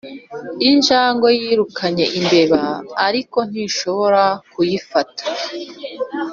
injangwe yirukanye imbeba, ariko ntishobora kuyifata.